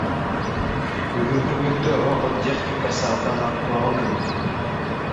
Бүгүнкү күндө робот техникасы абдан актуалдуу.